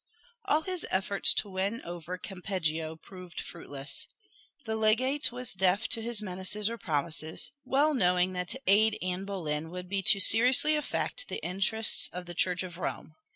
All his efforts to win over Campeggio proved fruitless. The legate was deaf to his menaces or promises, well knowing that to aid Anne Boleyn would be to seriously affect the interests of the Church of Rome.